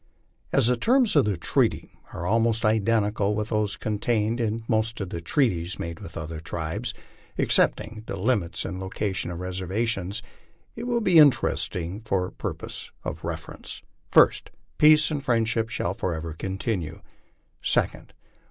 As the terms of the treaty are almost identical with those contained in most of the treaties made with other tribes, excepting the limits and location of reservations, it will be interesting for pur poses of reference. First. Peace and friendship shall forever continue. Second.